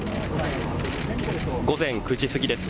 午前９時過ぎです。